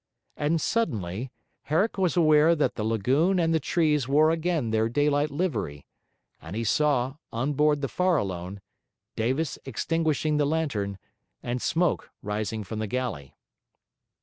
And, suddenly, Herrick was aware that the lagoon and the trees wore again their daylight livery; and he saw, on board the Farallone, Davis extinguishing the lantern, and smoke rising from the galley.